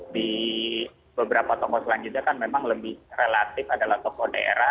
di beberapa tokoh selanjutnya kan memang lebih relatif adalah tokoh daerah